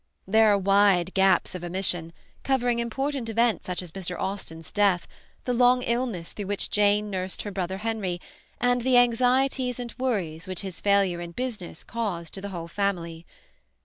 There are wide gaps of omission, covering important events such as Mr. Austen's death, the long illness through which Jane nursed her brother Henry, and the anxieties and worries which his failure in business caused to the whole family.